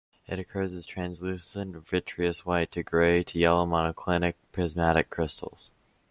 It occurs as translucent, vitreous white to grey to yellow monoclinic prismatic crystals.